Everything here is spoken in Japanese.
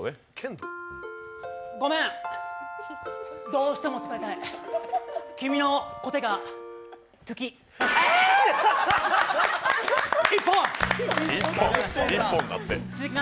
ごめん、どうしても伝えたい君のコテが好き。